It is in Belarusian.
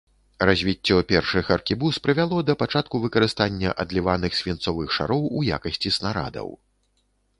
Развіццё першых аркебуз прывяло да пачатку выкарыстання адліваных свінцовых шароў у якасці снарадаў.